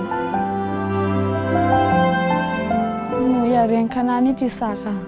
หนูอยากเรียนคณะนิติศาสตร์ค่ะ